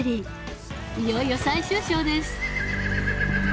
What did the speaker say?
いよいよ最終章です